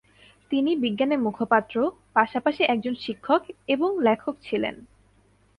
তিনি বিজ্ঞানের মুখপাত্র, পাশাপাশি একজন শিক্ষক এবং লেখক ছিলেন।